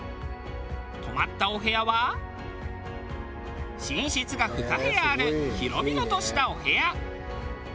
泊まったお部屋は寝室が２部屋ある広々としたお部屋。